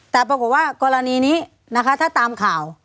แต่ปรากฏว่ากรณีนี้นะคะถ้าตามข่าว